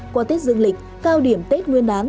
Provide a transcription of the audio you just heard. qua tết dương lịch cao điểm tết nguyên đán